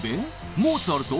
モーツァルト？